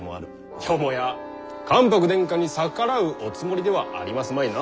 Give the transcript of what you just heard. よもや関白殿下に逆らうおつもりではありますまいな？